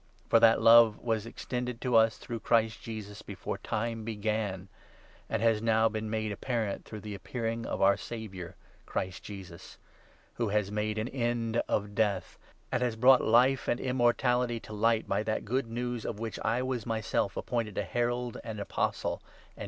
For that love was extended to us, through Christ Jesus, before time began, and has now 10 been made apparent through the Appearing of our Saviour, Christ Jesus ; who has made an end of Death, and has brought Life and Immortality to light by that Good News, of n which I was myself appointed a Herald and Apostle, and P 418 II.